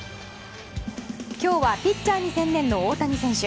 今日はピッチャーに専念の大谷選手。